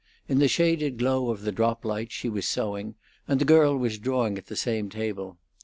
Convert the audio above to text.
In the shaded glow of the drop light she was sewing, and the girl was drawing at the same table.